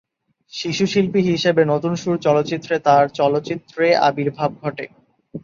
শিশুশিল্পী হিসেবে "নতুন সুর" চলচ্চিত্রে তার চলচ্চিত্রে আবির্ভাব ঘটে।